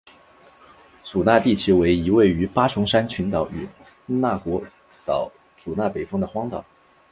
祖纳地崎为一位于八重山群岛与那国岛祖纳北方的荒岛。